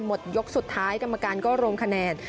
หมดยกสุดท้ายกรรมการก็รวมคะแนน